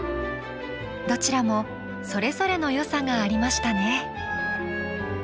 どちらもそれぞれのよさがありましたね。